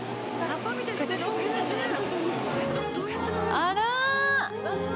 あら！